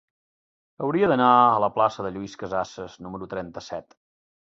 Hauria d'anar a la plaça de Lluís Casassas número trenta-set.